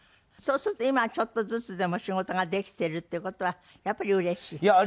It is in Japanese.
そうすると今はちょっとずつでも仕事ができてるっていう事はやっぱりうれしい？